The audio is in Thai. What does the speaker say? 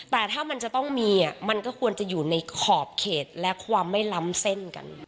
แต่ถ้ามันจะต้องมีมันก็ควรจะอยู่ในขอบเขตและความไม่ล้ำเส้นกัน